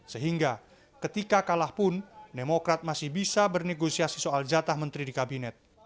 sehingga ketika kalah pun demokrat masih bisa bernegosiasi soal jatah menteri di kabinet